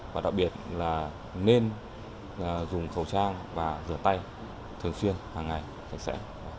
và đặc biệt là nên dùng khẩu trang và rửa tay thường xuyên hàng ngày sạch sẽ